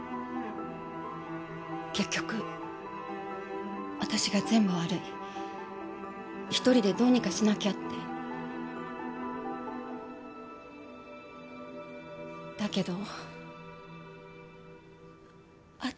結局私が全部悪い１人でどうにかしなきゃってだけどあっ